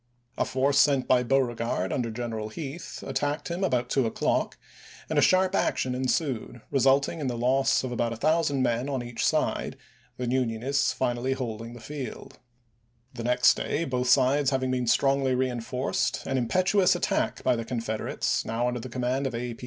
A force sent by Beauregard under General Heth attacked him about two o'clock, and a sharp action ensued, PETERSBURG 429 resulting in the loss of about a thousand men on ch. xviii. each side, the Unionists finally holding the field. The next day, both sides having been strongly reenforced, an impetuous attack by the Confeder ates, now under the command of A.